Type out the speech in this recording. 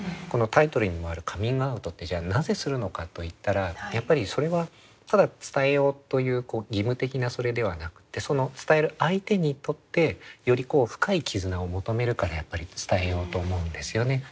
このタイトルにもあるカミングアウトってじゃあなぜするのかといったらやっぱりそれはただ伝えようという義務的なそれではなくてその伝える相手にとってより深い絆を求めるからやっぱり伝えようと思うんですよね。